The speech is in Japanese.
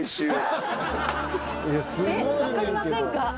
分かりませんか？